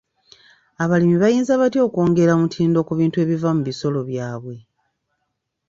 Abalimi bayinza batya okwongera omutindo ku bintu ebiva mu bisolo byabwe?